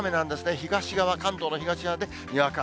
東側、関東の東側でにわか雨。